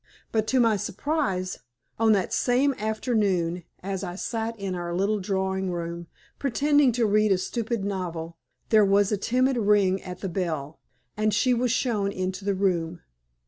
But to my surprise, on that same afternoon, as I sat in our little drawing room pretending to read a stupid novel, there was a timid ring at the bell, and she was shown into the room.